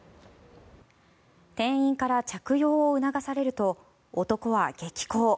店員から着用を促されると男は激高。